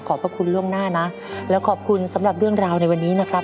พระคุณล่วงหน้านะและขอบคุณสำหรับเรื่องราวในวันนี้นะครับ